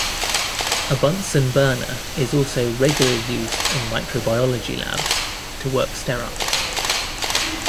A Bunsen burner is also regularly used in microbiology labs to work sterile.